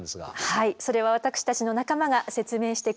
はいそれは私たちの仲間が説明してくれます。